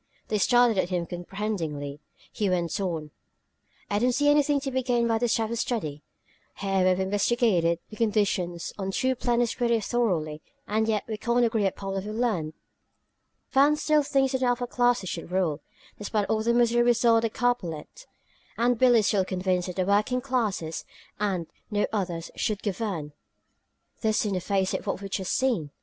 They stared at him uncomprehendingly; he went on: "I don't see anything to be gained by this type of study. Here we've investigated the conditions on two planets pretty thoroughly, and yet we can't agree upon what we've learned! "Van still thinks that the upper classes should rule, despite all the misery we saw on Capellette! And Billie is still convinced that the working classes, and no others, should govern! This, in the face of what we've just seen!